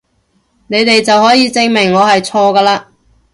你哋就可以證明我係錯㗎嘞！